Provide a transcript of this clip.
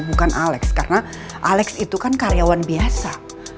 bukan alex karena alex itu kan karyawan biasa